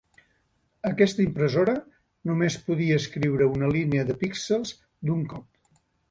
Aquesta impressora només podia escriure una línia de píxels d'un cop.